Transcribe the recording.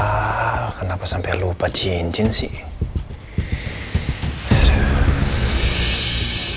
ya kenapa sampai lupa cincin sih